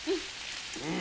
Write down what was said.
うん。